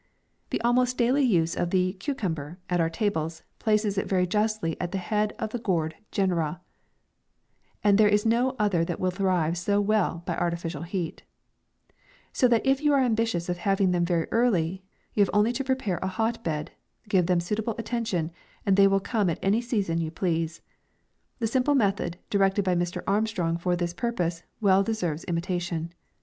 The almost daily use of the CUCUMBER, at our tables, places it very justly at the head of the gourd genera, and there is no other that will thrive so well by artificial heat ; so that if you are ambitious of having them very early, you have only to prepare a hot bed, give them suitable attention, and they will come at any season you please. The simple method directed by Mr. Armstrong for this purpose, well deserves imitation.